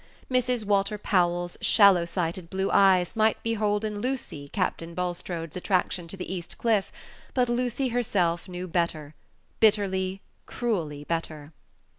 Mrs. Walter Powell's shallow sighted blue eyes might behold in Lucy Captain Bulstrode's attraction to the East Cliff, but Lucy herself knew better bitterly, cruelly better.